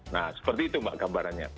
nah seperti itu mbak gambarannya